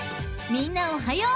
［みんなおはよう！］